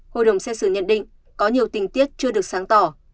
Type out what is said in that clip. hội đồng xét xử nhận định có nhiều tình tiết chưa được sáng tỏ